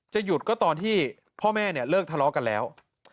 หยุดก็ตอนที่พ่อแม่เนี่ยเลิกทะเลาะกันแล้ว